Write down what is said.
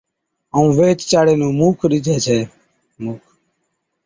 ائُون ويھِچ چاڙَي نُون موک ڪونھِي ڏِجَي ڇَي، وِکن سِوا ڏُوجِيا چاڙِيا موک گيھ سِگھي ھِتيا